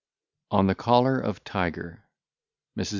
] ON THE COLLAR OF TIGER, MRS.